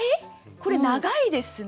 これ長いですね。